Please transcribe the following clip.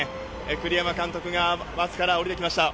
栗山監督がバスから降りてきました。